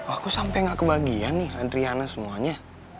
aku sampe gak kebahagiaan nih adriana semuanya